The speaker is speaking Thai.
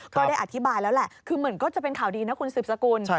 ก็ได้อธิบายแล้วแหละคือเหมือนก็จะเป็นข่าวดีนะคุณสืบสกุล